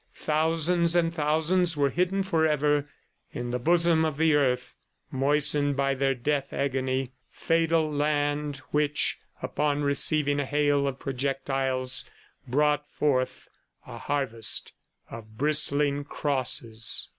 Thousands and thousands were hidden forever in the bosom of the Earth moistened by their death agony fatal land which, upon receiving a hail of projectiles, brought forth a harvest of bristling crosses!